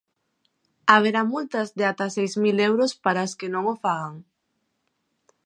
Haberá multas de ata seis mil euros para as que non o fagan.